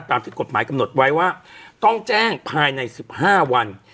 ตามที่กฎหมายกำหนดไว้ว่าต้องแจ้งภายใน๑๕วัน